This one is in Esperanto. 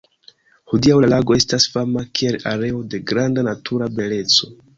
Hodiaŭ la lago estas fama kiel areo de granda natura beleco.